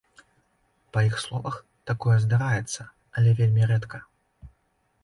Па іх словах, такое здараецца, але вельмі рэдка.